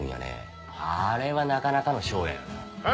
あれはなかなかの賞やよなあ。